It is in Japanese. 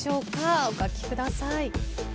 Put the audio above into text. お書きください。